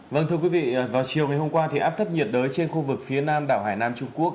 vâng thưa quý vị vào chiều ngày hôm qua thì áp thấp nhiệt đới trên khu vực phía nam đảo hải nam trung quốc